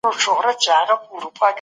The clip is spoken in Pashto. اقتصادي تعاون د ټولني بقا ته ګټه رسوي.